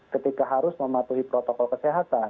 ketika harus mematuhi protokol kesehatan